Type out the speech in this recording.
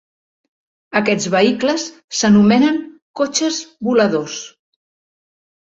Aquests vehicles s'anomenen cotxes voladors.